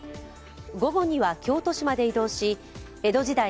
午後には京都市まで移動し江戸時代